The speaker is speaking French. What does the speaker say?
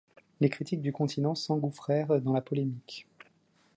Les critiques du continent s’engouffrèrent dans la polémique.